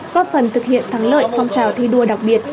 góp phần thực hiện thắng lợi phong trào thi đua đặc biệt